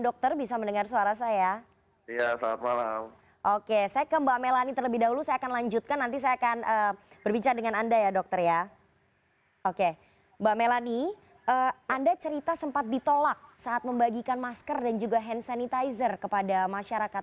oke mbak melani anda cerita sempat ditolak saat membagikan masker dan juga hand sanitizer kepada masyarakat